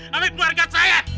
sama keluarga saya